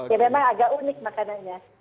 ya memang agak unik makanannya